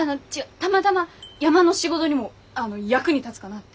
たまたま山の仕事にもあの役に立つかなって。